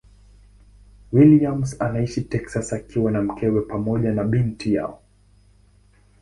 Williams anaishi Texas akiwa na mkewe pamoja na binti yao.